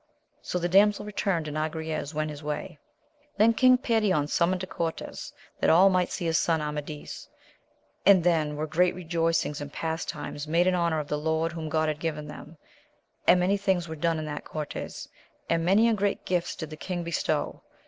So the damsel returned, and Agrayes went his way. Then King Perion summoned a cortes, that all might see his son Amadis ; and then were great re joicings and pastimes made in honour of the lord whom God had given them, and many things were done in that cortes, and many and great gifts did the king bestow.